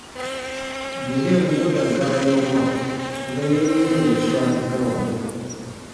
Benɛn wooda gaa ya wãa ya yen yɛ̃robu swa gawamɔ.